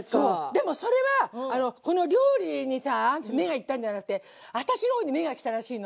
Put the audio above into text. でもそれはこの料理にさ目が行ったんじゃなくて私のほうに目が来たらしいの。